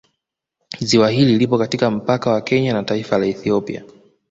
Ziwa hili lipo katika mpaka wa Kenya na taifa la Ethiopia